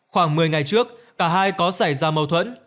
khoảng một mươi ngày trước cả hai có xảy ra mâu thuẫn